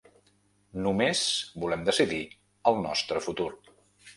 Només volem decidir el nostre futur.